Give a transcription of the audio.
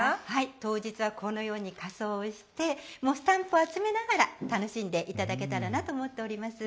当日はこのように仮装して、スタンプを集めながら楽しんでいただけたらなと思っております。